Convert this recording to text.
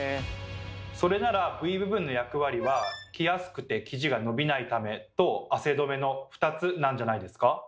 それならＶ部分の役割は「着やすくて生地が伸びないため」と「汗どめ」の２つなんじゃないですか？